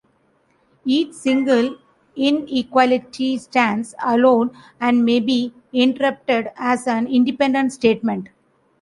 Each single inequality stands alone and may be interpreted as an independent statement.